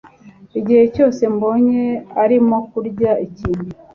Igihe cyose mbonye , arimo kurya ikintu.